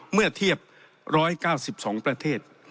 เมื่อเทียบ๑๙๒ประเทศ